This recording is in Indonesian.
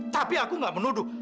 tapi aku gak menuduh